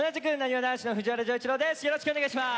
よろしくお願いします！